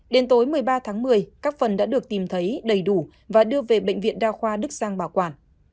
đến tối một mươi ba tháng một mươi các phần đã được tìm thấy đầy đủ và đưa về bệnh viện đa khoa đức giang bảo quản